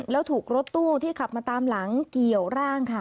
แล้วถูกรถตู้ที่ขับมาตามหลังเกี่ยวร่างค่ะ